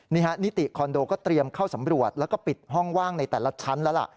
นิติคอนโดก็เตรียมเข้าสำรวจแล้วก็ปิดห้องว่างในแต่ละชั้นแล้วล่ะ